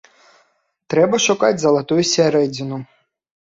Трэба шукаць залатую сярэдзіну.